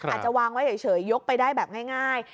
อาจจะวางไว้เฉยยกไปได้แบบง่าย